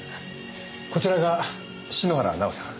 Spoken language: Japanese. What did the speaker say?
こちらが篠原奈緒さん。